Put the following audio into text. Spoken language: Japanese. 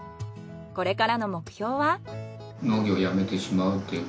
これからの目標は？